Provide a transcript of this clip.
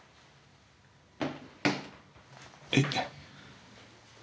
えっ？